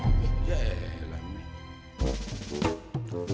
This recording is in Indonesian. keren bisa bisa ucap ya